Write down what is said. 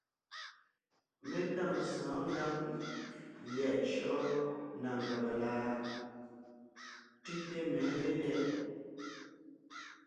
Mé tâŋ sɔ̌ɔn ngǎŋ lyɛ̌ʼ shyɔ́ʼɔ na ngàba láʼ? Tʉ́te mɛ̌ melyɛ̌ʼ.